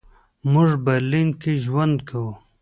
موږ برلین کې ژوند کوو.